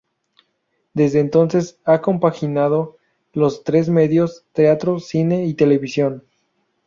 Desde entonces ha compaginado los tres medios: teatro, cine y televisión.